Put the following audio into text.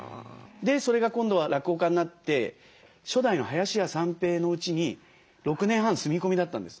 それが今度は落語家になって初代の林家三平のうちに６年半住み込みだったんです。